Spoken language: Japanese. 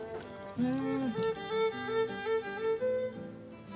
うん。